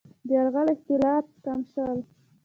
د یرغل احتمالات کم شول.